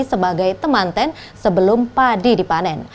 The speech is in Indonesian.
sebagai temanten sebelum padi dipanen